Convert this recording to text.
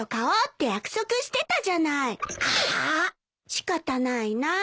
仕方ないなぁ。